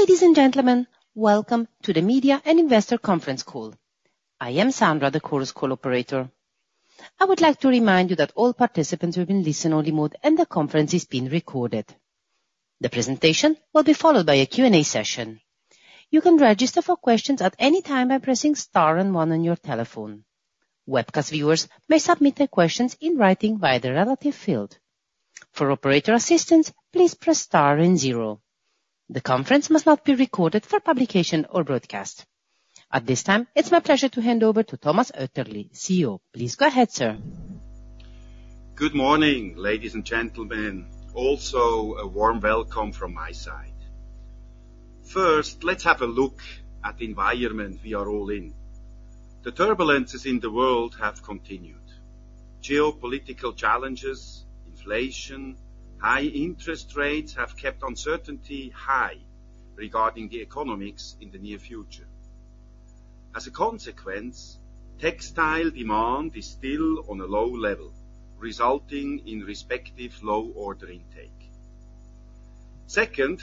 Ladies and gentlemen, welcome to the Media and Investor Conference Call. I am Sandra, the Chorus Call operator. I would like to remind you that all participants will be in listen-only mode, and the conference is being recorded. The presentation will be followed by a Q&A session. You can register for questions at any time by pressing star and one on your telephone. Webcast viewers may submit their questions in writing via the relative field. For operator assistance, please press star and zero. The conference must not be recorded for publication or broadcast. At this time, it's my pleasure to hand over to Thomas Oetterli, CEO. Please go ahead, sir. Good morning, ladies and gentlemen. Also, a warm welcome from my side. First, let's have a look at the environment we are all in. The turbulences in the world have continued. Geopolitical challenges, inflation, high interest rates have kept uncertainty high regarding the economics in the near future. As a consequence, textile demand is still on a low level, resulting in respective low order intake. Second,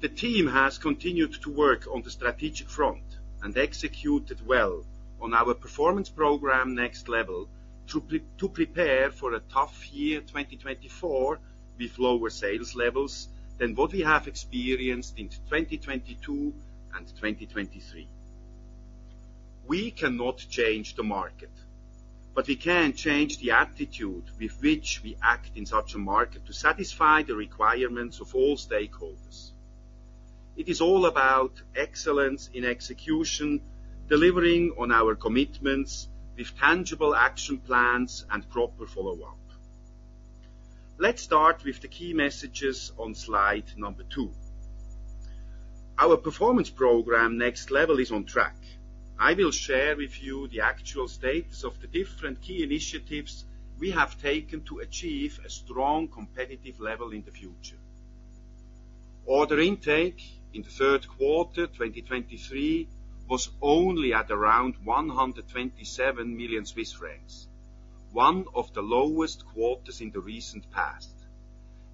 the team has continued to work on the strategic front and executed well on our performance program, Next Level, to prepare for a tough year, 2024, with lower sales levels than what we have experienced in 2022 and 2023. We cannot change the market, but we can change the attitude with which we act in such a market to satisfy the requirements of all stakeholders. It is all about excellence in execution, delivering on our commitments with tangible action plans and proper follow-up. Let's start with the key messages on slide number two. Our performance program, Next Level, is on track. I will share with you the actual status of the different key initiatives we have taken to achieve a strong competitive level in the future. Order intake in the third quarter, 2023, was only at around 127 million Swiss francs, one of the lowest quarters in the recent past.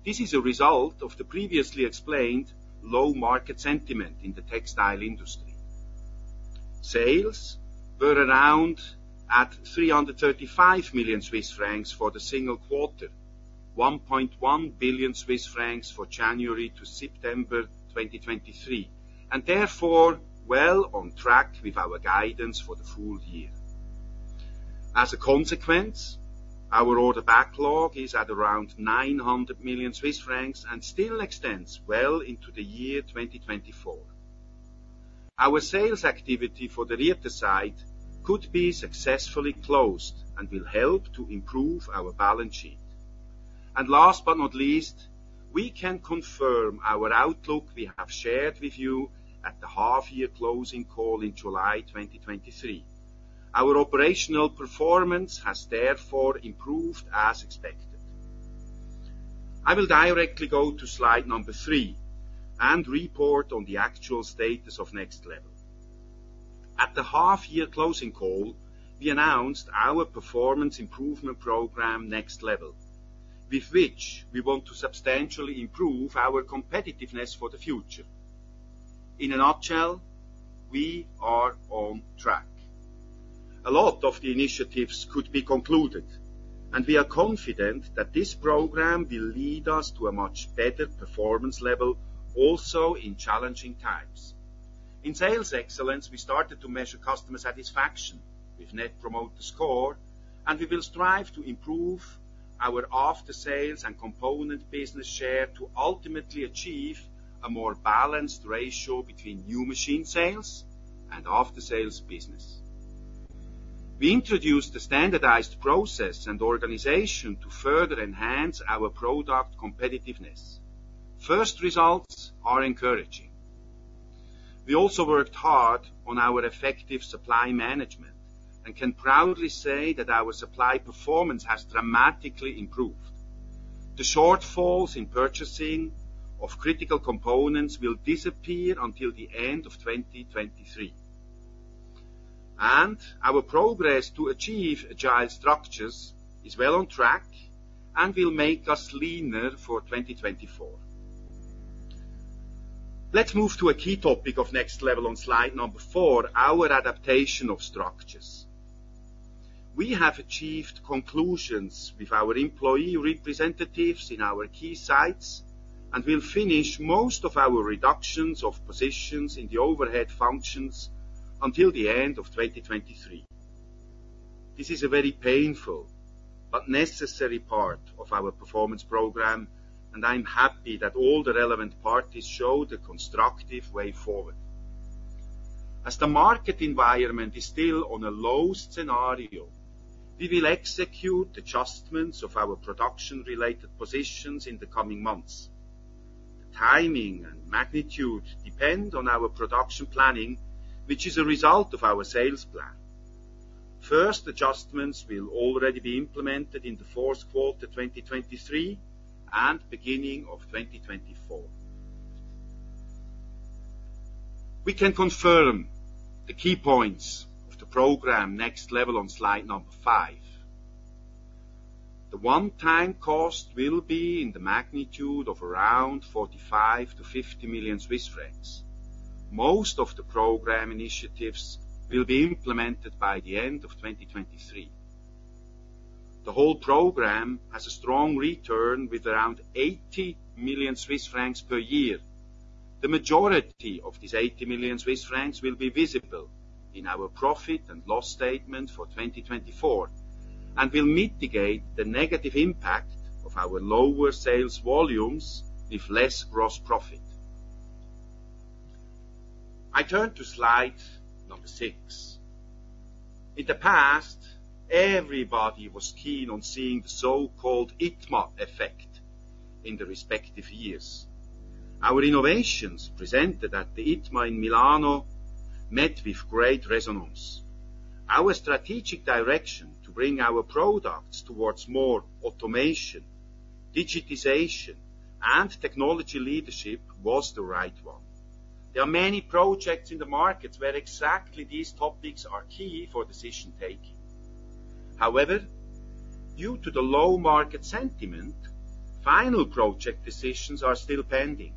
This is a result of the previously explained low market sentiment in the textile industry. Sales were around at 335 million Swiss francs for the single quarter, 1.1 billion Swiss francs for January to September 2023, and therefore, well on track with our guidance for the full year. As a consequence, our order backlog is at around 900 million Swiss francs and still extends well into the year 2024. Our sales activity for the Rieter site could be successfully closed and will help to improve our balance sheet. Last but not least, we can confirm our outlook we have shared with you at the half-year closing call in July 2023. Our operational performance has, therefore, improved as expected. I will directly go to slide number three and report on the actual status of Next Level. At the half-year closing call, we announced our performance improvement program, Next Level, with which we want to substantially improve our competitiveness for the future. In a nutshell, we are on track. A lot of the initiatives could be concluded, and we are confident that this program will lead us to a much better performance level, also in challenging times. In sales excellence, we started to measure customer satisfaction with Net Promoter Score, and we will strive to improve our after-sales and component business share to ultimately achieve a more balanced ratio between new machine sales and after-sales business. We introduced a standardized process and organization to further enhance our product competitiveness. First results are encouraging. We also worked hard on our effective supply management and can proudly say that our supply performance has dramatically improved. The shortfalls in purchasing of critical components will disappear until the end of 2023, and our progress to achieve agile structures is well on track and will make us leaner for 2024. Let's move to a key topic of Next Level on slide number four, our adaptation of structures. We have achieved conclusions with our employee representatives in our key sites, and we'll finish most of our reductions of positions in the overhead functions until the end of 2023. This is a very painful but necessary part of our performance program, and I'm happy that all the relevant parties showed a constructive way forward. As the market environment is still on a low scenario, we will execute adjustments of our production-related positions in the coming months. The timing and magnitude depend on our production planning, which is a result of our sales plan. First adjustments will already be implemented in the fourth quarter 2023 and beginning of 2024. We can confirm the key points of the program, Next Level, on slide number five. The one-time cost will be in the magnitude of around 45 million-50 million Swiss francs. Most of the program initiatives will be implemented by the end of 2023. The whole program has a strong return with around 80 million Swiss francs per year. The majority of these 80 million Swiss francs will be visible in our profit and loss statement for 2024, and will mitigate the negative impact of our lower sales volumes with less gross profit. I turn to slide number six. In the past, everybody was keen on seeing the so-called ITMA effect in the respective years. Our innovations presented at the ITMA in Milano met with great resonance. Our strategic direction to bring our products towards more automation, digitization, and technology leadership was the right one. There are many projects in the markets where exactly these topics are key for decision-making. However, due to the low market sentiment, final project decisions are still pending.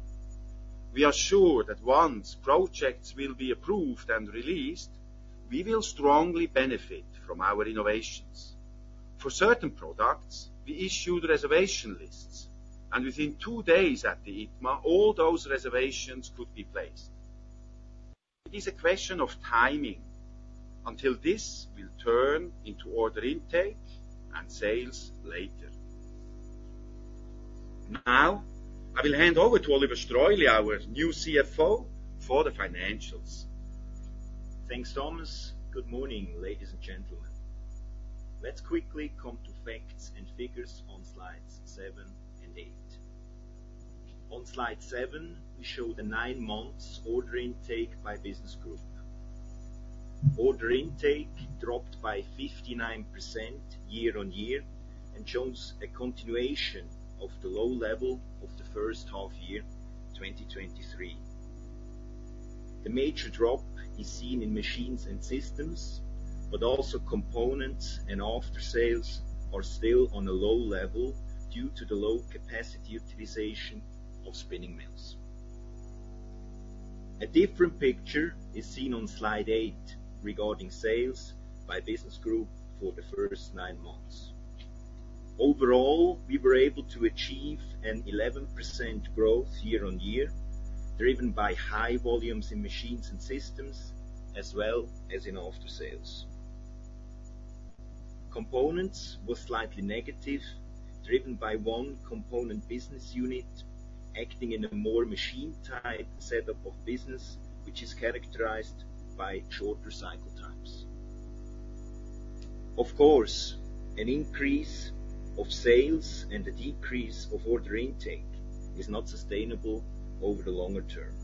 We are sure that once projects will be approved and released, we will strongly benefit from our innovations. For certain products, we issued reservation lists, and within two days at the ITMA, all those reservations could be placed. It is a question of timing, until this will turn into order intake and sales later. Now, I will hand over to Oliver Streuli, our new CFO, for the financials. Thanks, Thomas. Good morning, ladies and gentlemen. Let's quickly come to facts and figures on slides seven and eight. On slide seven, we show the nine months order intake by business group. Order intake dropped by 59% year-on-year and shows a continuation of the low level of the first half year 2023. The major drop is seen in Machines and Systems, but also Components and Aftersales are still on a low level due to the low capacity utilization of spinning mills. A different picture is seen on slide eight regarding sales by business group for the first nine months. Overall, we were able to achieve an 11% growth year-on-year, driven by high volumes in Machines and Systems, as well as in Aftersales. Components were slightly negative, driven by one component business unit acting in a more machine-type setup of business, which is characterized by shorter cycle times. Of course, an increase of sales and a decrease of order intake is not sustainable over the longer term.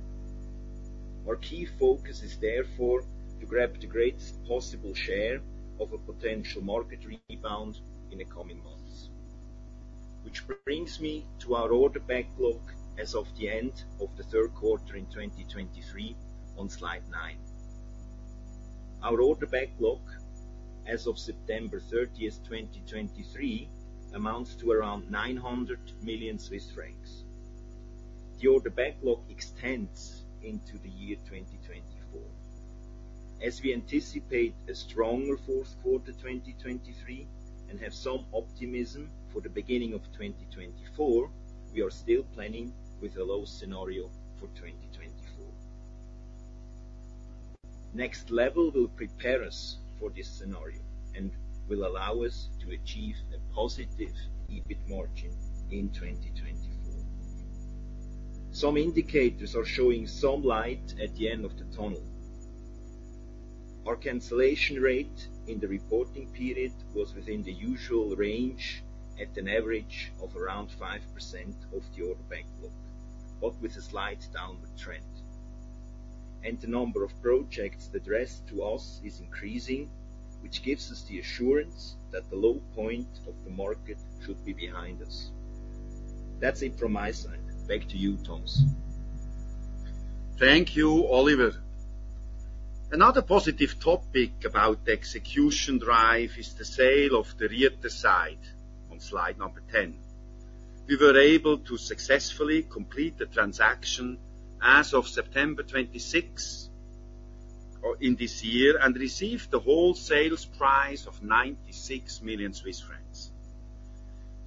Our key focus is, therefore, to grab the greatest possible share of a potential market rebound in the coming months. Which brings me to our order backlog as of the end of the third quarter in 2023 on slide nine. Our order backlog as of September 30th, 2023, amounts to around 900 million Swiss francs. The order backlog extends into the year 2024. As we anticipate a stronger fourth quarter 2023 and have some optimism for the beginning of 2024, we are still planning with a low scenario for 2024. Next Level will prepare us for this scenario and will allow us to achieve a positive EBIT margin in 2024. Some indicators are showing some light at the end of the tunnel. Our cancellation rate in the reporting period was within the usual range, at an average of around 5% of the order backlog, but with a slight downward trend. The number of projects addressed to us is increasing, which gives us the assurance that the low point of the market should be behind us. That's it from my side. Back to you, Thomas. Thank you, Oliver. Another positive topic about the execution drive is the sale of the Rieter site on slide number 10. We were able to successfully complete the transaction as of September 26 in this year and received the whole sales price of 96 million Swiss francs.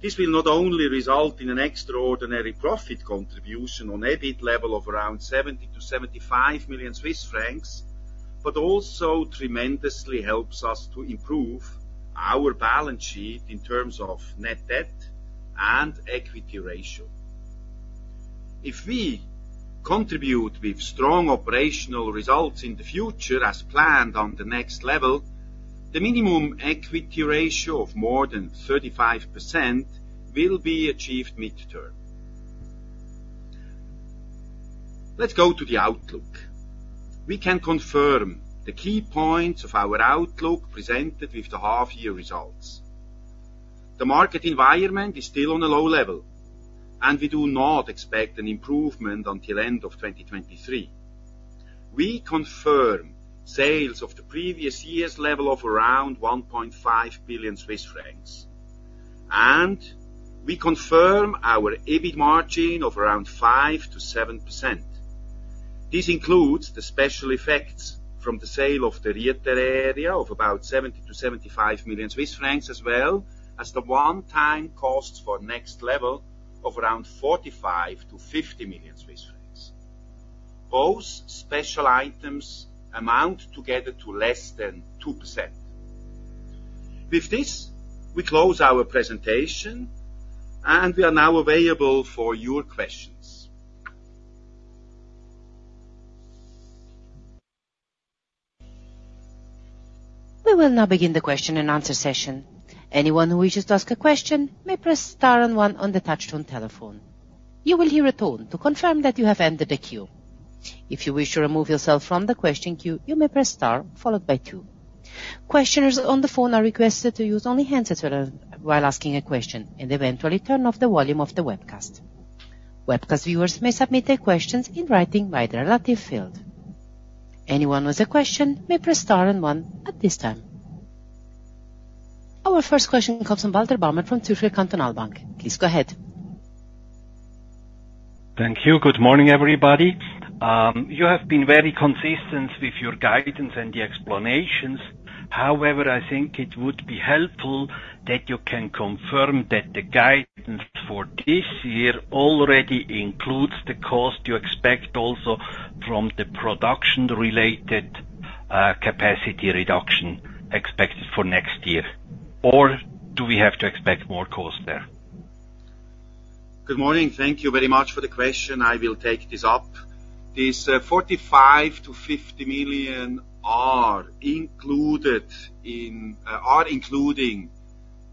This will not only result in an extraordinary profit contribution on EBIT level of around 70 million-75 million Swiss francs, but also tremendously helps us to improve our balance sheet in terms of net debt and equity ratio. If we contribute with strong operational results in the future as planned on the Next Level, the minimum equity ratio of more than 35% will be achieved mid-term. Let's go to the outlook. We can confirm the key points of our outlook presented with the half-year results. The market environment is still on a low level, and we do not expect an improvement until end of 2023. We confirm sales of the previous year's level of around 1.5 billion Swiss francs, and we confirm our EBIT margin of around 5%-7%. This includes the special effects from the sale of the Rieter area of about 70 million-75 million Swiss francs, as well as the one-time costs for Next Level of around 45 million-50 million Swiss francs. Both special items amount together to less than 2%. With this, we close our presentation, and we are now available for your questions. We will now begin the question and answer session. Anyone who wishes to ask a question may press star and one on the touchtone telephone. You will hear a tone to confirm that you have entered the queue. If you wish to remove yourself from the question queue, you may press star followed by two. Questioners on the phone are requested to use only handsets while asking a question and eventually turn off the volume of the webcast. Webcast viewers may submit their questions in writing by the relative field. Anyone with a question may press star and one at this time. Our first question comes from Walter Baumann from Zürcher Kantonalbank. Please go ahead. Thank you. Good morning, everybody. You have been very consistent with your guidance and the explanations. However, I think it would be helpful that you can confirm that the guidance for this year already includes the cost you expect also from the production-related capacity reduction expected for next year. Do we have to expect more costs there? Good morning. Thank you very much for the question. I will take this up. This 45 million-50 million are including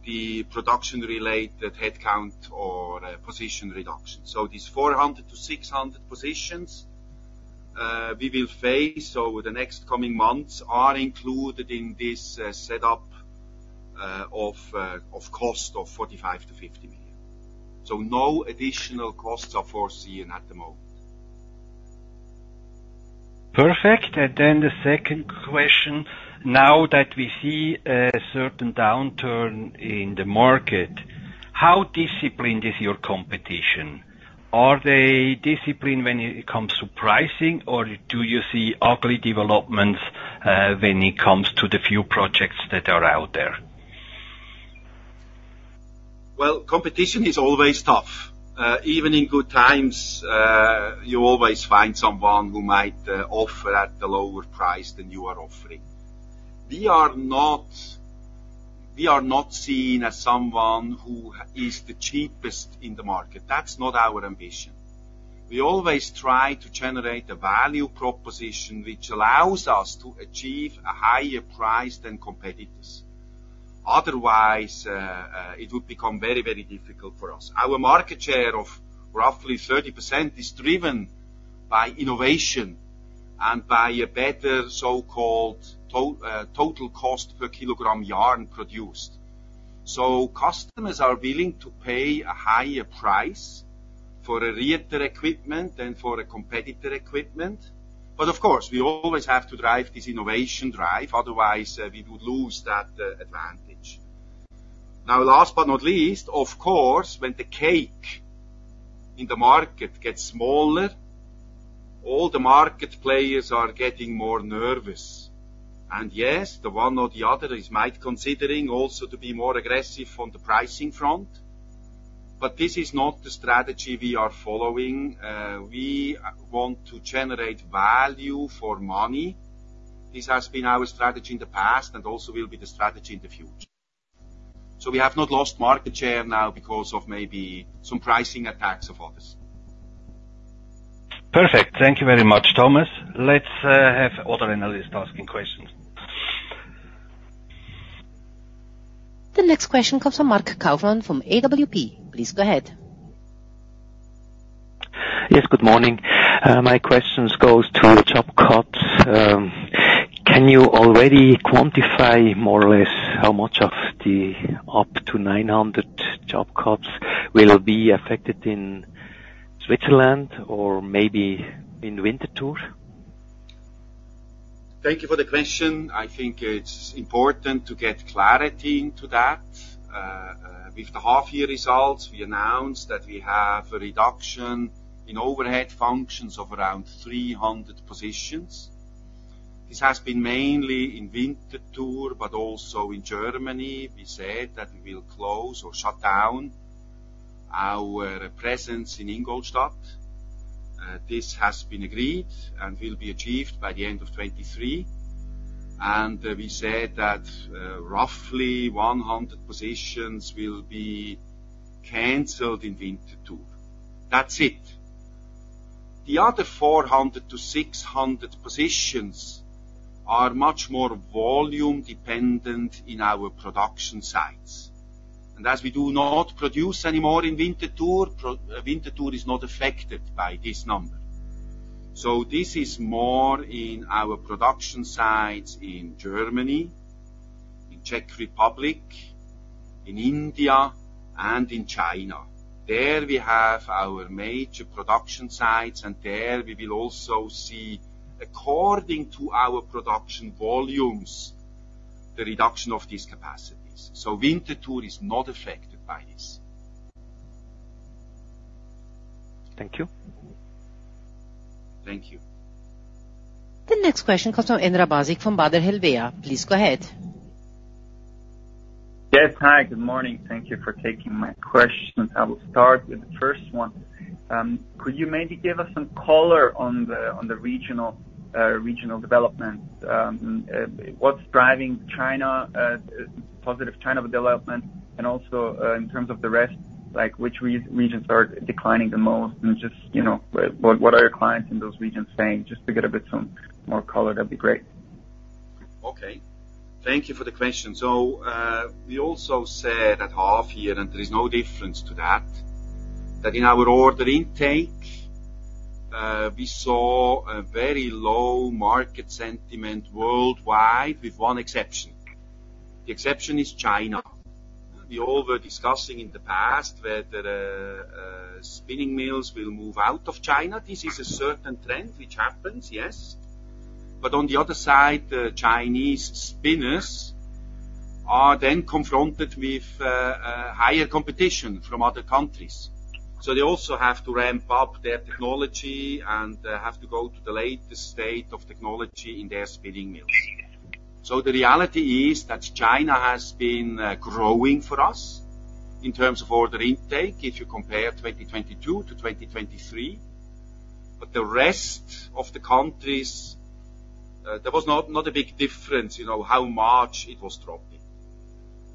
the production-related headcount or position reduction. These 400 to 600 positions we will face over the next coming months are included in this setup of cost of 45 million-50 million. No additional costs are foreseen at the moment. Perfect. The second question: Now that we see a certain downturn in the market, how disciplined is your competition? Are they disciplined when it comes to pricing, or do you see ugly developments when it comes to the few projects that are out there? Well, competition is always tough. Even in good times, you always find someone who might offer at a lower price than you are offering. We are not seen as someone who is the cheapest in the market. That's not our ambition. We always try to generate a value proposition which allows us to achieve a higher price than competitors. Otherwise, it would become very, very difficult for us. Our market share of roughly 30% is driven by innovation and by a better so-called total cost per kilogram yarn produced. Customers are willing to pay a higher price for a Rieter equipment than for a competitor equipment. Of course, we always have to drive this innovation drive, otherwise we would lose that advantage. Now, last but not least, of course, when the cake in the market gets smaller, all the market players are getting more nervous. Yes, the one or the other is might considering also to be more aggressive on the pricing front, but this is not the strategy we are following. We want to generate value for money. This has been our strategy in the past and also will be the strategy in the future. We have not lost market share now because of maybe some pricing attacks of others. Perfect. Thank you very much, Thomas. Let's have other analysts asking questions. The next question comes from Mark Kaufmann from AWP. Please go ahead. Yes, good morning. My questions goes to job cuts. Can you already quantify more or less how much of the up to 900 job cuts will be affected in Switzerland or maybe in Winterthur? Thank you for the question. I think it's important to get clarity into that. With the half-year results, we announced that we have a reduction in overhead functions of around 300 positions. This has been mainly in Winterthur, but also in Germany. We said that we will close or shut down our presence in Ingolstadt. This has been agreed and will be achieved by the end of 2023. We said that roughly 100 positions will be canceled in Winterthur. That's it. The other 400 to 600 positions are much more volume-dependent in our production sites. As we do not produce any more in Winterthur, Winterthur is not affected by this number. This is more in our production sites in Germany, in Czech Republic, in India, and in China. There we have our major production sites, and there we will also see, according to our production volumes, the reduction of these capacities. Winterthur is not affected by this. Thank you. Thank you. The next question comes from Emrah Basic from Baader Helvea. Please go ahead. Yes. Hi, good morning. Thank you for taking my questions. I will start with the first one. Could you maybe give us some color on the regional development? What's driving positive China development, and also in terms of the rest, like, which regions are declining the most? Just, you know, what are your clients in those regions saying? Just to get a bit some more color, that'd be great. Okay. Thank you for the question. We also said at half-year, and there is no difference to that, that in our order intake, we saw a very low market sentiment worldwide, with one exception. The exception is China. We all were discussing in the past whether spinning mills will move out of China. This is a certain trend which happens, yes. On the other side, the Chinese spinners are then confronted with higher competition from other countries. They also have to ramp up their technology and have to go to the latest state of technology in their spinning mills. The reality is that China has been growing for us in terms of order intake, if you compare 2022 to 2023. The rest of the countries, there was not a big difference, you know, how much it was dropping.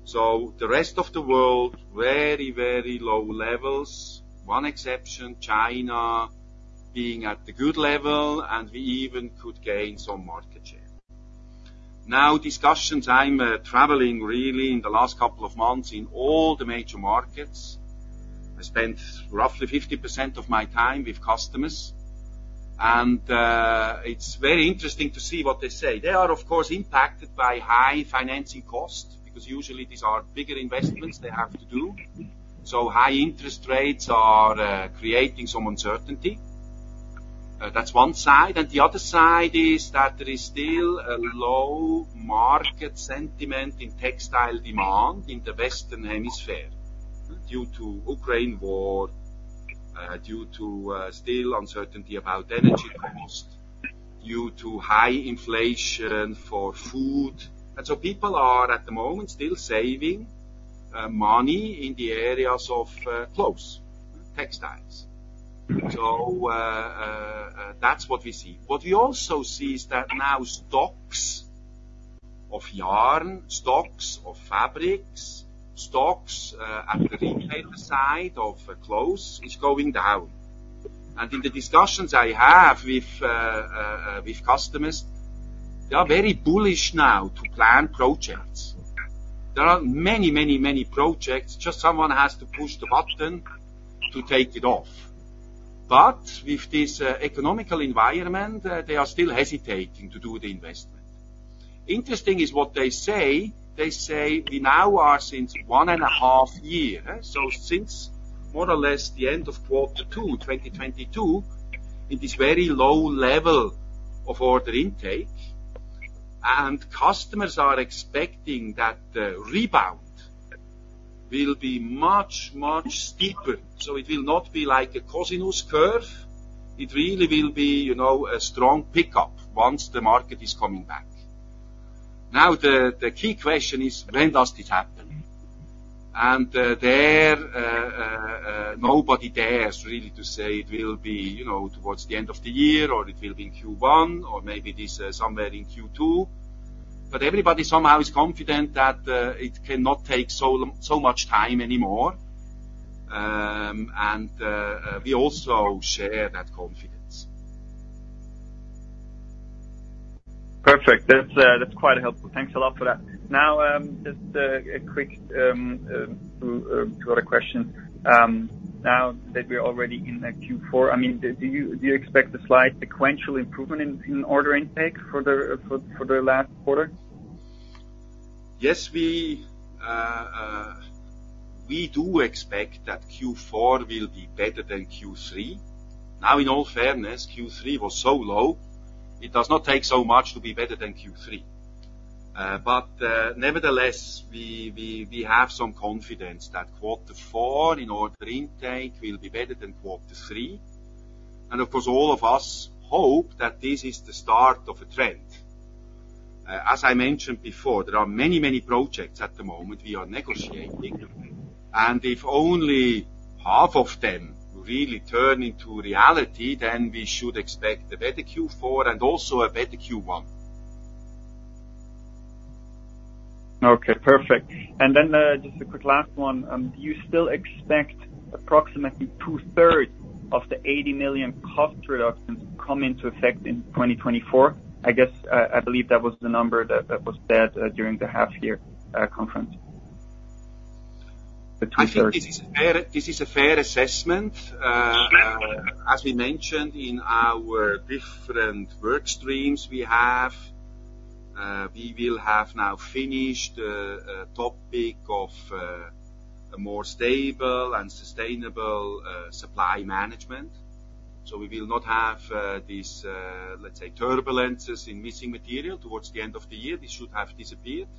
The rest of the world, very, very low levels. One exception, China being at the good level, and we even could gain some market share. Now, discussions, I'm traveling really in the last couple of months in all the major markets. I spent roughly 50% of my time with customers, and it's very interesting to see what they say. They are, of course, impacted by high financing costs, because usually these are bigger investments they have to do. High interest rates are creating some uncertainty. That's one side, and the other side is that there is still a low market sentiment in textile demand in the Western Hemisphere, due to Ukraine war, due to still uncertainty about energy cost, due to high inflation for food. People are, at the moment, still saving money in the areas of clothes, textiles. That's what we see. What we also see is that now stocks of yarn, stocks of fabrics, stocks at the retailer side of clothes, is going down. In the discussions I have with customers, they are very bullish now to plan projects. There are many, many, many projects, just someone has to push the button to take it off. With this economical environment, they are still hesitating to do the investment. Interesting is what they say. They say we now are since one and a half year, so since more or less the end of quarter two 2022, in this very low level of order intake, and customers are expecting that the rebound will be much, much steeper. It will not be like a cosine curve. It really will be, you know, a strong pickup once the market is coming back. Now, the key question is, when does this happen? There, nobody dares really to say it will be, you know, towards the end of the year, or it will be in Q1, or maybe somewhere in Q2. Everybody somehow is confident that it cannot take so much time anymore, and we also share that confidence. Perfect. That's quite helpful. Thanks a lot for that. Now just two other questions. Now that we're already in the Q4, I mean, do you expect a slight sequential improvement in order intake for the last quarter? Yes, we do expect that Q4 will be better than Q3. Now, in all fairness, Q3 was so low, it does not take so much to be better than Q3. Nevertheless, we have some confidence that quarter four in order intake will be better than quarter three. Of course, all of us hope that this is the start of a trend. As I mentioned before, there are many, many projects at the moment we are negotiating, and if only half of them really turn into reality, then we should expect a better Q4 and also a better Q1. Okay, perfect. Just a quick last one. Do you still expect approximately 2/3 of the 80 million cost reductions to come into effect in 2024? I guess I believe that was the number that was said during the half-year conference. I think this is a fair, this is a fair assessment. As we mentioned in our different work streams we have, we will have now finished a topic of a more stable and sustainable supply management. We will not have these, let's say, turbulences in missing material towards the end of the year. This should have disappeared.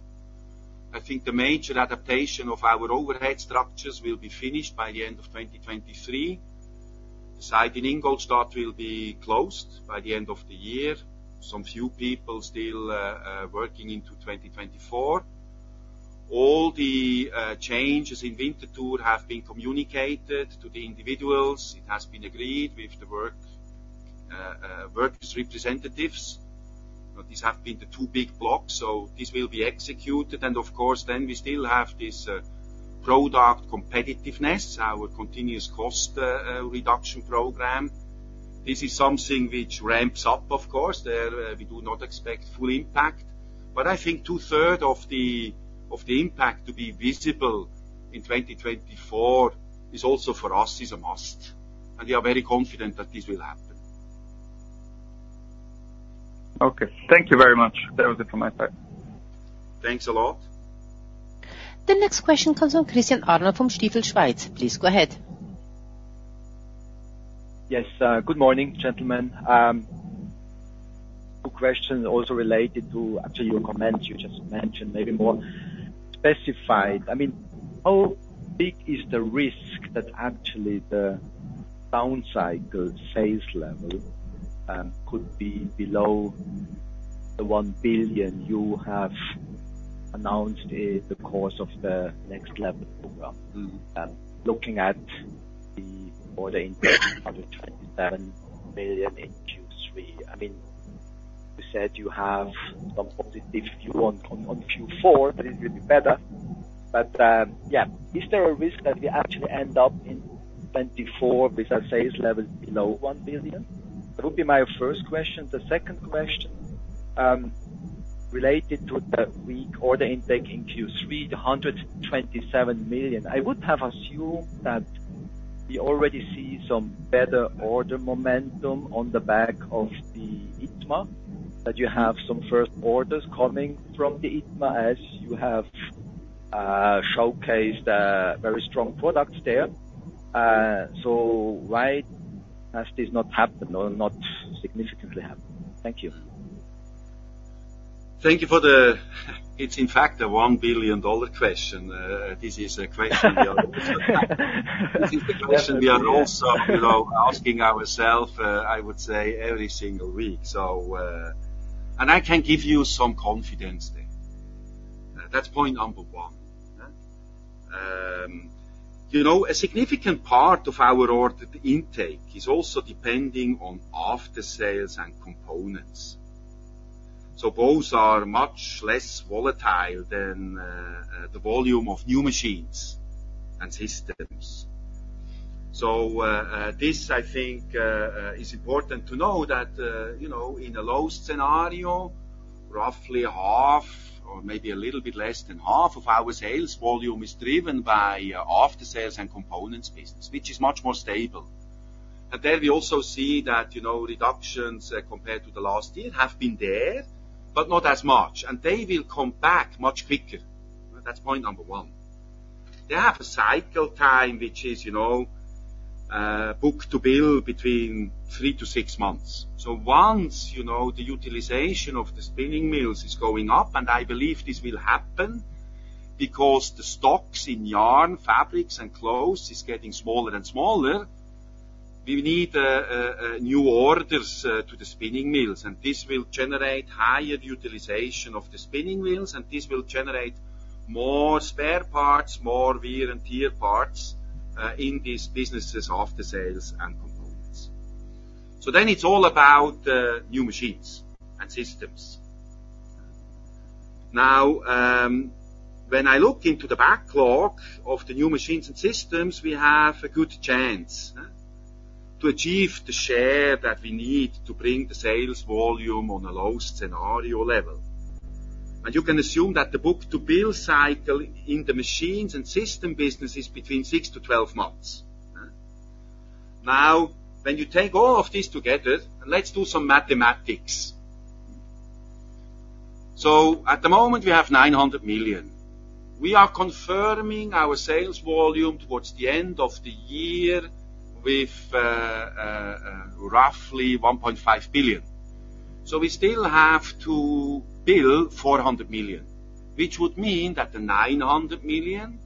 I think the major adaptation of our overhead structures will be finished by the end of 2023. The site in Ingolstadt will be closed by the end of the year. Some few people still working into 2024. All the changes in Winterthur have been communicated to the individuals. It has been agreed with the workers' representatives. These have been the two big blocks, so this will be executed, and of course, then we still have this product competitiveness, our continuous cost reduction program. This is something which ramps up, of course. There, we do not expect full impact, but I think two-third of the impact to be visible in 2024 is also, for us, a must, and we are very confident that this will happen. Okay. Thank you very much. That was it from my side. Thanks a lot. The next question comes from Christian Arnold from Stifel Schweiz. Please go ahead. Yes, good morning, gentlemen. Two questions also related to actually your comments you just mentioned, maybe more specified. I mean, how big is the risk that actually the downcycle sales level could be below the 1 billion you have announced in the course of the Next Level program? Looking at the order intake, 127 million in Q3. I mean, you said you have some positive view on Q4, that it will be better. Is there a risk that we actually end up in 2024 with a sales level below 1 billion? That would be my first question. The second question related to the weak order intake in Q3, the 127 million. I would have assumed that we already see some better order momentum on the back of the ITMA, that you have some first orders coming from the ITMA, as you have showcased very strong products there. Why has this not happened or not significantly happened? Thank you. Thank you for the... It's, in fact, a one billion-dollar question. This is the question we are also, you know, asking ourself, I would say every single week. I can give you some confidence there. That's point number one, huh. You know, a significant part of our order intake is also depending on Aftersales and components. Both are much less volatile than the volume of new machines and systems. This, I think, is important to know that, you know, in a low scenario, roughly half or maybe a little bit less than half of our sales volume is driven by Aftersales and components business, which is much more stable. Once, you know, the utilization of the spinning mills is going up, and I believe this will happen because the stocks in yarn, fabrics, and clothes is getting smaller and smaller, we need new orders to the spinning mills, and this will generate higher utilization of the spinning mills, and this will generate more spare parts, more wear and tear parts in these businesses aftersales and components. Now, when I look into the backlog of the new machines and systems, we have a good chance, huh, to achieve the share that we need to bring the sales volume on a low scenario level. You can assume that the book to build cycle in the machines and system business is between six to 12 months. Now, when you take all of this together, let's do some mathematics. At the moment, we have 900 million. We are confirming our sales volume towards the end of the year with roughly 1.5 billion. We still have to build 400 million, which would mean that the 900 million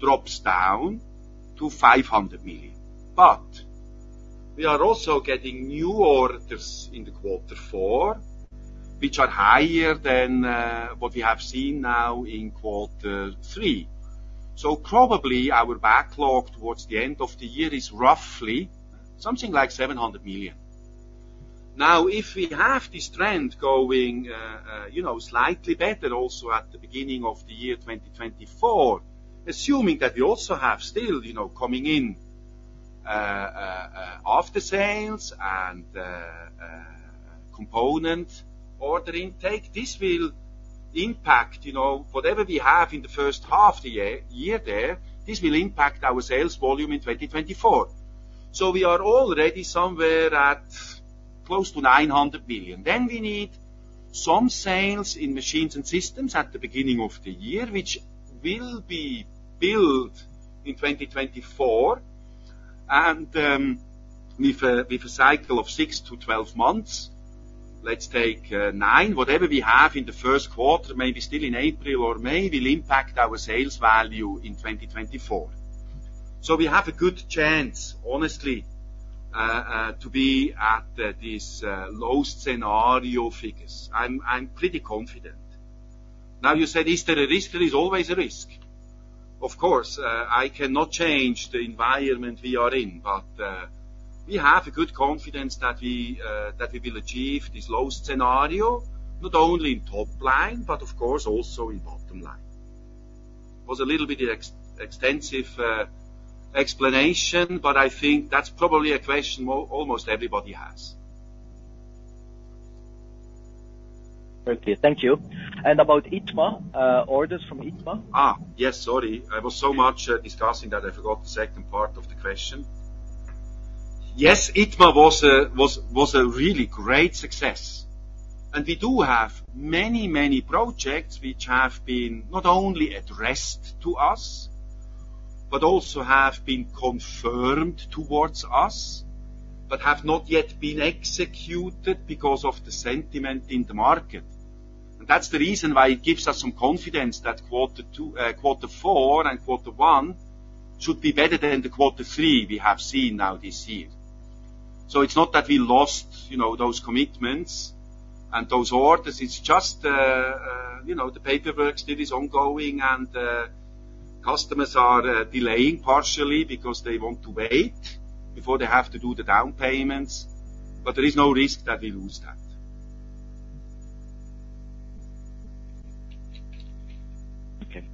drops down to 500 million. We are also getting new orders in the quarter four, which are higher than what we have seen now in quarter three. Probably our backlog towards the end of the year is roughly something like 700 million. Now, if we have this trend going, you know, slightly better also at the beginning of the year 2024, assuming that we also have still, you know, coming in Aftersales and component order intake, this will impact, you know, whatever we have in the first half the year there. This will impact our sales volume in 2024. We are already somewhere at close to 900 billion. We need some sales in machines and systems at the beginning of the year, which will be billed in 2024, and with a cycle of six to 12 months. Let's take nine. Whatever we have in the first quarter, maybe still in April or May, will impact our sales value in 2024. We have a good chance, honestly, to be at this low scenario figures. I'm pretty confident. Now, you said, is there a risk? There is always a risk. Of course, I cannot change the environment we are in, but we have a good confidence that we will achieve this low scenario, not only in top line, but of course, also in bottom line. It was a little bit extensive explanation, but I think that's probably a question almost everybody has. Very clear. Thank you. About ITMA, orders from ITMA? Yes, sorry. I was so much discussing that I forgot the second part of the question. Yes, ITMA was a really great success, and we do have many, many projects which have been not only addressed to us, but also have been confirmed towards us, but have not yet been executed because of the sentiment in the market. That's the reason why it gives us some confidence that quarter four and quarter one should be better than the quarter three we have seen now this year. It's not that we lost, you know, those commitments and those orders, it's just, you know, the paperwork still is ongoing, and customers are delaying partially because they want to wait before they have to do the down payments, but there is no risk that we lose that. Okay.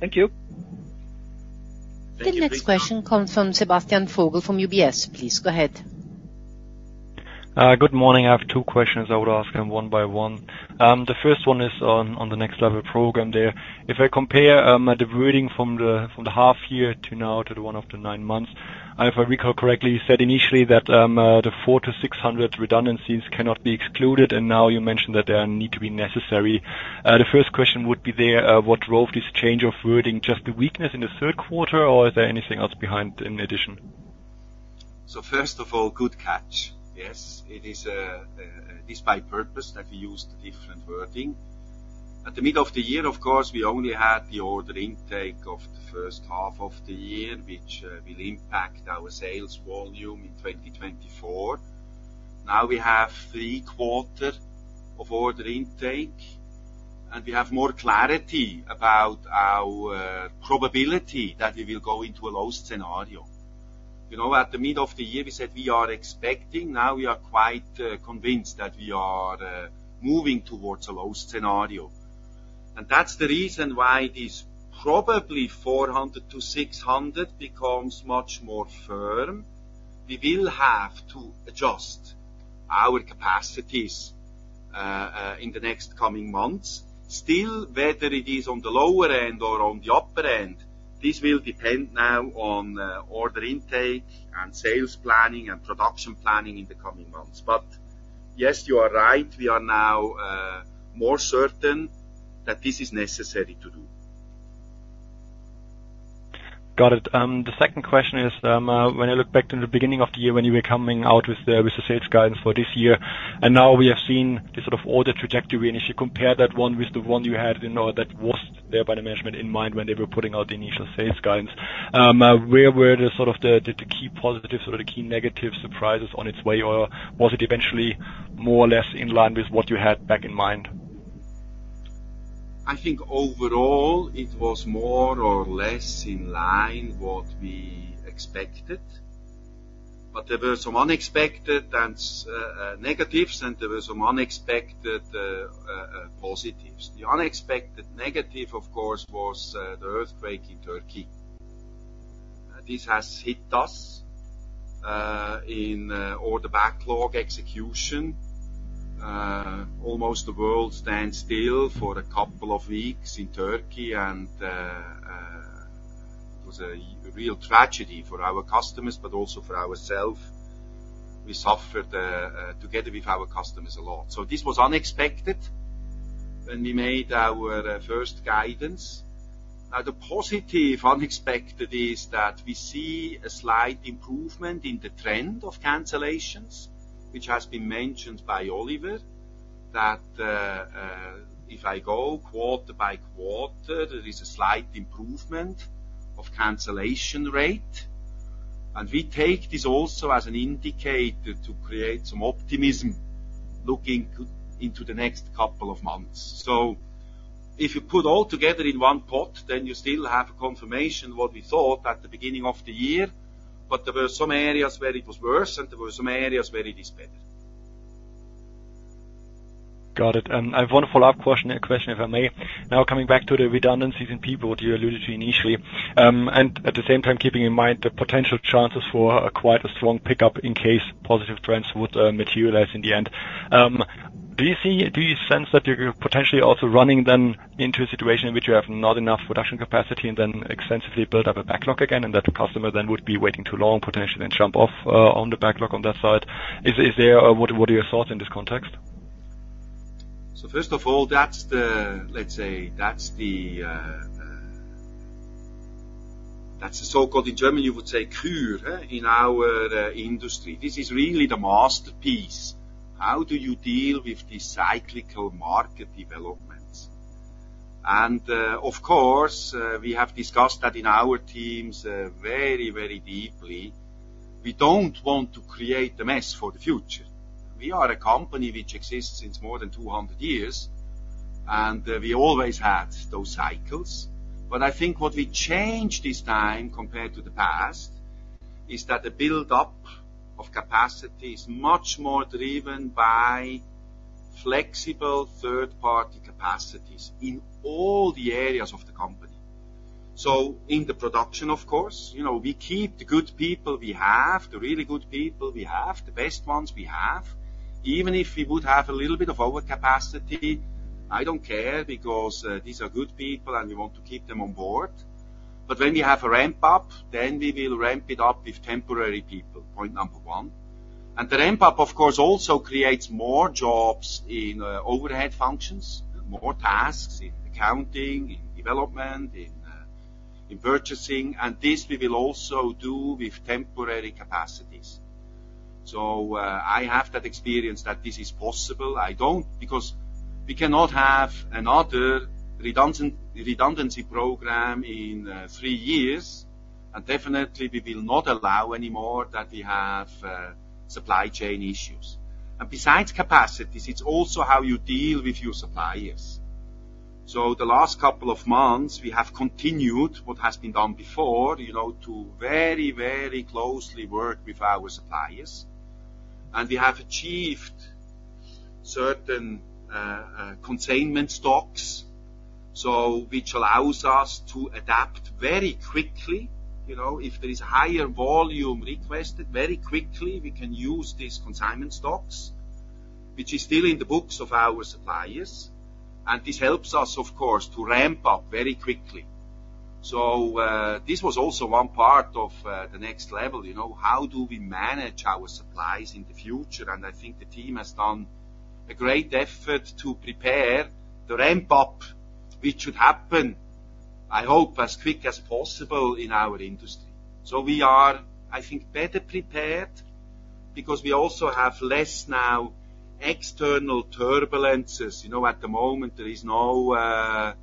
Thank you. The next question comes from Sebastian Vogel from UBS. Please go ahead. Good morning I have two questions and I will ask them one by one. First of all, good catch. Yes, it is by purpose that we use the different wording. At the middle of the year, of course, we only had the order intake of the first half of the year, which will impact our sales volume in 2024. Now, we have three quarter of order intake, and we have more clarity about our probability that we will go into a low scenario. You know, at the middle of the year, we said we are expecting. Now we are quite convinced that we are moving towards a low scenario. That's the reason why this probably 400 to 600 becomes much more firm. We will have to adjust our capacities in the next coming months. Still, whether it is on the lower end or on the upper end, this will depend now on order intake, and sales planning, and production planning in the coming months. Yes, you are right, we are now more certain that this is necessary to do. Got it. The second question is, when I look back to the beginning of the year, when you were coming out with the sales guidance for this year, and now we have seen the sort of order trajectory, and if you compare that one with the one you had, you know, that was there by the management in mind when they were putting out the initial sales guidance. Where were the sort of the key positive, sort of, the key negative surprises on its way, or was it eventually more or less in line with what you had back in mind? I think overall it was more or less in line what we expected, but there were some unexpected negatives, and there were some unexpected positives. The unexpected negative, of course, was the earthquake in Turkey. This has hit us in all the backlog execution. Almost the world stands still for a couple of weeks in Turkey, and it was a real tragedy for our customers, but also for ourself. We suffered together with our customers a lot. This was unexpected when we made our first guidance. Now, the positive unexpected is that we see a slight improvement in the trend of cancellations, which has been mentioned by Oliver, that if I go quarter-by-quarter, there is a slight improvement of cancellation rate, and we take this also as an indicator to create some optimism looking into the next couple of months. If you put all together in one pot, then you still have a confirmation what we thought at the beginning of the year, but there were some areas where it was worse, and there were some areas where it is better. Now, coming back to the redundancies in people, what you alluded to initially, and at the same time, keeping in mind the potential chances for quite a strong pickup in case positive trends would materialize in the end, do you sense that you're potentially also running then into a situation in which you have not enough production capacity and then extensively build up a backlog again, and that the customer then would be waiting too long, potentially, and jump off on the backlog on that side? What are your thoughts in this context? First of all, that's the, let's say, that's the so-called, in German, you would say, Kür, in our industry. This is really the masterpiece. How do you deal with the cyclical market developments? Of course, we have discussed that in our teams very, very deeply. We don't want to create a mess for the future. We are a company which exists since more than 200 years, and we always had those cycles. I think what we changed this time, compared to the past, is that the buildup of capacity is much more driven by flexible third-party capacities in all the areas of the company. In the production, of course, you know, we keep the good people we have, the really good people we have, the best ones we have. Even if we would have a little bit of overcapacity, I don't care, because these are good people, and we want to keep them on board. When we have a ramp-up, then we will ramp it up with temporary people, point number one. The ramp-up, of course, also creates more jobs in overhead functions, more tasks in accounting, in development, in purchasing, and this we will also do with temporary capacities. I have that experience that this is possible. Because we cannot have another redundancy program in three years, and definitely we will not allow any more that we have supply chain issues. Besides capacities, it's also how you deal with your suppliers. The last couple of months, we have continued what has been done before, you know, to very, very closely work with our suppliers, and we have achieved certain consignment stocks, which allows us to adapt very quickly. You know, if there is higher volume requested, very quickly, we can use these consignment stocks, which is still in the books of our suppliers, and this helps us, of course, to ramp up very quickly. This was also one part of the Next Level, you know, how do we manage our supplies in the future? I think the team has done a great effort to prepare the ramp-up, which should happen, I hope, as quick as possible in our industry. We are, I think, better prepared because we also have less now external turbulences. You know, at the moment, there's no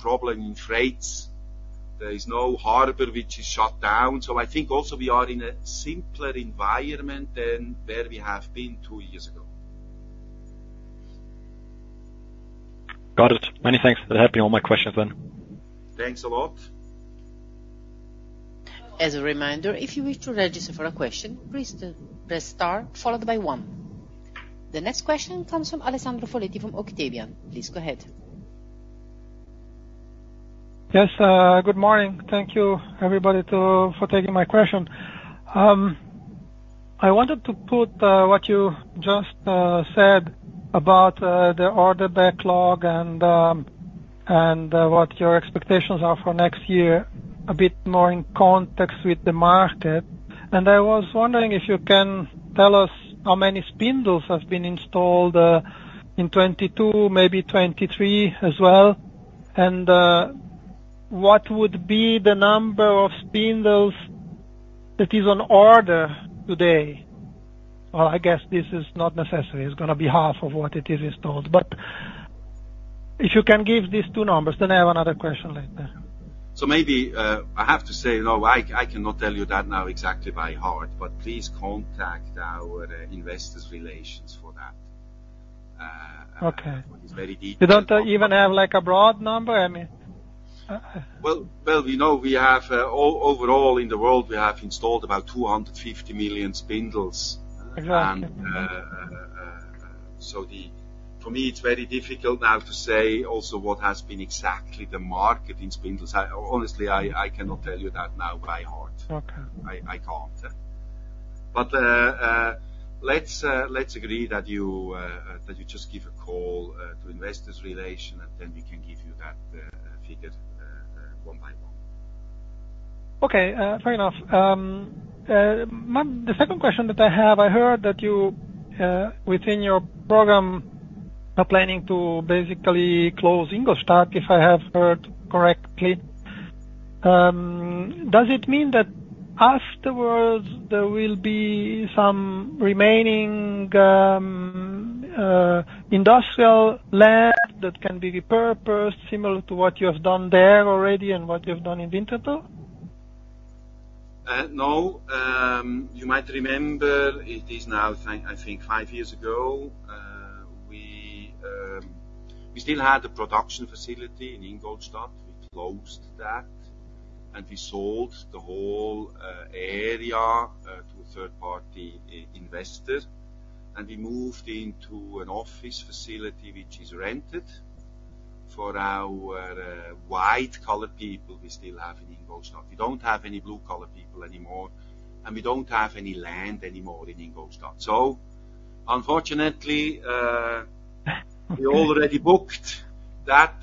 problem in rates. There is no harbor which is shut down. I think also we are in a simpler environment than where we have been two years ago. Got it. Many thanks for helping me on my questions, then. Thanks a lot. As a reminder, if you wish to register for a question, please press star followed by one. The next question comes from Alessandro Foletti from Octavian. Please go ahead. Yes, good morning. Thank you, everybody, for taking my question. I wanted to put what you just said about the order backlog and what your expectations are for next year, a bit more in context with the market. I was wondering if you can tell us how many spindles have been installed in 2022, maybe 2023 as well, and what would be the number of spindles that is on order today? Well, I guess this is not necessary. It's gonna be half of what it is installed. If you can give these two numbers, then I have another question later. Maybe I have to say, no, I cannot tell you that now exactly by heart, but please contact our Investor Relations for that. Okay. It's very deep. You don't even have, like, a broad number? I mean... Well, well, we know we have, overall in the world, we have installed about 250 million spindles. Exactly. For me, it's very difficult now to say also what has been exactly the market in spindles. I, honestly, I cannot tell you that now by heart. Okay. I can't. Let's agree that you just give a call to Investor Relations, and then we can give you that figure one by one. Okay, fair enough. The second question that I have, I heard that you within your program are planning to basically close Ingolstadt, if I have heard correctly. Does it mean that afterwards there will be some remaining industrial land that can be repurposed, similar to what you have done there already and what you have done in Winterthur? No. You might remember, it is now, I think, five years ago. We still had a production facility in Ingolstadt. We closed that, and we sold the whole area to a third-party investor, and we moved into an office facility, which is rented for our white-collar people we still have in Ingolstadt. We don't have any blue-collar people anymore, and we don't have any land anymore in Ingolstadt. Unfortunately, we already booked that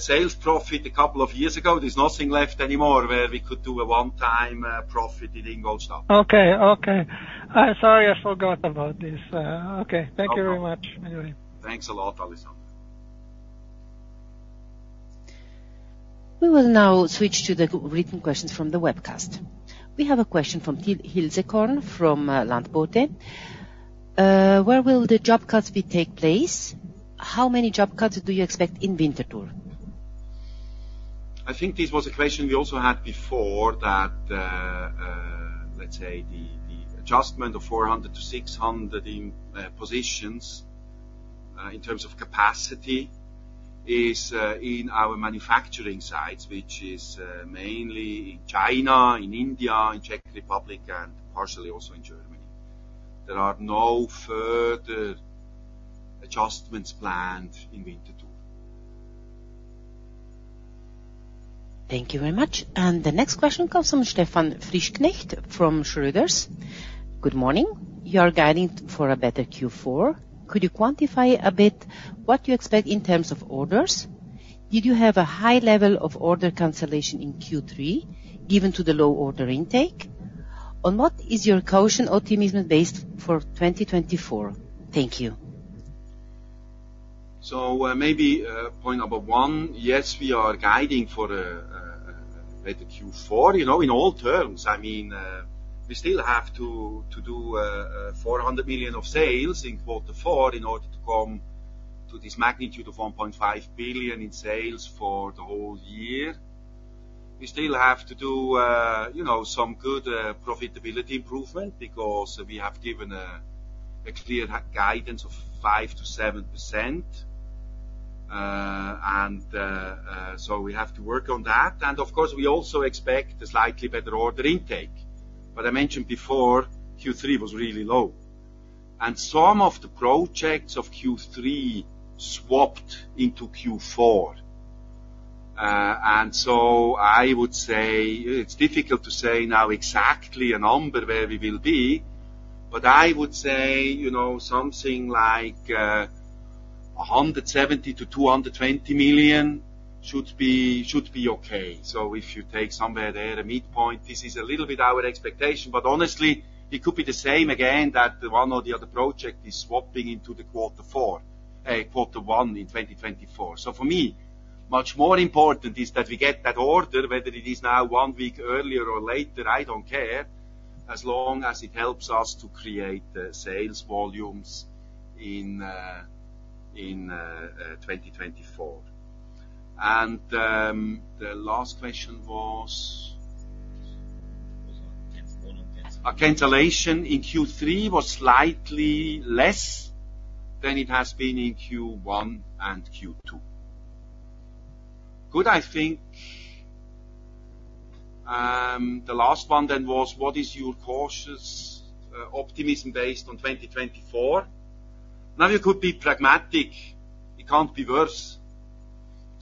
sales profit a couple of years ago. There's nothing left anymore where we could do a one-time profit in Ingolstadt. Okay. Okay. Sorry, I forgot about this. Okay. No problem. Thank you very much, anyway. Thanks a lot, Alessandro. We will now switch to online questions from the webcast. I think this was a question we also had before, that, let's say, the adjustment of 400 to600 in positions, in terms of capacity, is in our manufacturing sites, which is mainly in China, in India, in Czech Republic, and partially also in Germany. There are no further adjustments planned in Winterthur. The next question comes from Stefan Frischknecht from Schroders. Good morning. You are guiding for a better Q4. Could you quantify a bit what you expect in terms of orders? Did you have a high level of order cancellation in Q3, given to the low order intake? On what is your cautious optimism based for 2024? Thank you. Maybe point number one, yes, we are guiding for a better Q4. You know, in all terms, I mean, we still have to do 400 million of sales in quarter four in order to come to this magnitude of 1.5 billion in sales for the whole year. We still have to do, you know, some good profitability improvement because we have given a clear guidance of 5%-7%. We have to work on that. Of course, we also expect a slightly better order intake. I mentioned before, Q3 was really low. Some of the projects of Q3 swapped into Q4. I would say... It's difficult to say now exactly a number where we will be, but I would say, you know, something like 170 million-220 million should be okay. If you take somewhere there, the midpoint, this is a little bit our expectation, but honestly, it could be the same again, that one or the other project is swapping into quarter one in 2024. For me, much more important is that we get that order, whether it is now one week earlier or later, I don't care, as long as it helps us to create the sales volumes in 2024. The last question was? It was on cancel. A cancellation in Q3 was slightly less than it has been in Q1 and Q2. Good, I think the last one then was: What is your cautious optimism based on 2024? Now, it could be pragmatic. It can't be worse.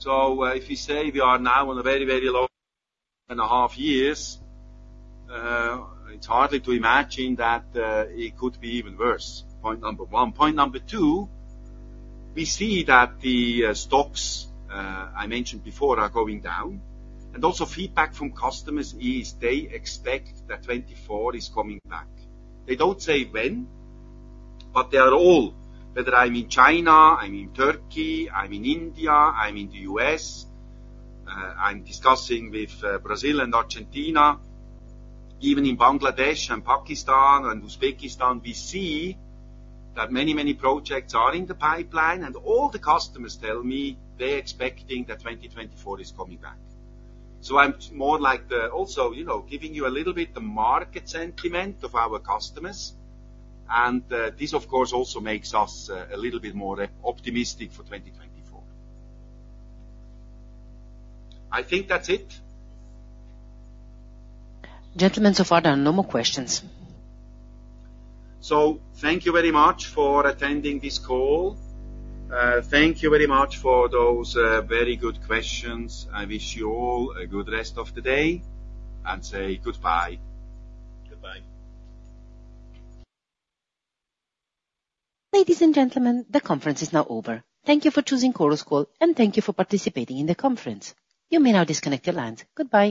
If you say we are now on a very, very low and a half years, it's hardly to imagine that it could be even worse, point number one. Point number two, we see that the stocks I mentioned before are going down, and also feedback from customers is they expect that 2024 is coming back. They don't say when, but they are all, whether I'm in China, I'm in Turkey, I'm in India, I'm in the U.S., I'm discussing with Brazil and Argentina, even in Bangladesh and Pakistan and Uzbekistan, we see that many, many projects are in the pipeline, and all the customers tell me they're expecting that 2024 is coming back. Also, you know, giving you a little bit the market sentiment of our customers, and this, of course, also makes us a little bit more optimistic for 2024. I think that's it. Gentlemen, so far, there are no more questions. Thank you very much for attending this call. Thank you very much for those very good questions. I wish you all a good rest of the day and say goodbye. Goodbye. Ladies and gentlemen, the conference is now over. Thank you for choosing Chorus Call, and thank you for participating in the conference. You may now disconnect your lines. Goodbye.